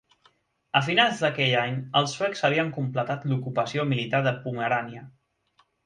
A finals d'aquell any, els suecs havien completat l'ocupació militar de Pomerània.